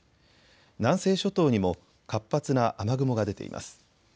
南西諸島にも活発な雨雲が出ています。